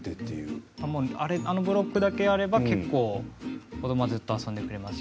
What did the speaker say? あのブロックだけあれば結構、子どもはずっと遊んでくれます。